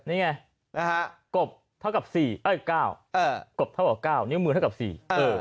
นี่ไงกบเท่ากับก้าวนิ้วมือเท่ากับสี่